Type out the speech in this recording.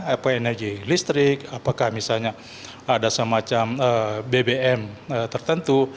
apakah energi listrik apakah misalnya ada semacam bbm tertentu